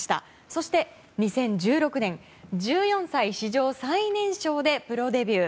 そして、２０１６年１４歳史上最年少でプロデビュー。